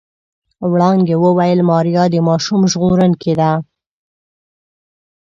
وړانګې وويل ماريا د ماشوم ژغورونکې ده.